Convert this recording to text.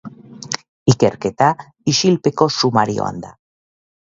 Ikerketa isilpeko sumarioan da.